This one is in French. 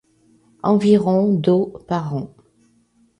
Environ d'eau par an.